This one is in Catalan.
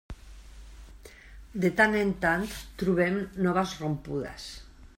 De tant en tant trobem noves rompudes.